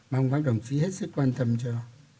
mong các đồng chí hết sức quan tâm cho